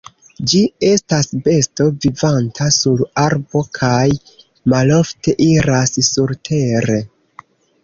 Ĝi estas besto vivanta sur arbo kaj malofte iras surtere.